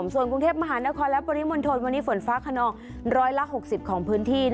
ส่วนกรุงเทพมหานครและปริมณฑลวันนี้ฝนฟ้าขนอง๑๖๐ของพื้นที่